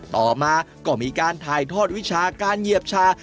ต่อมาก็มีการถ่ายทอดวิชาการเหยียบชา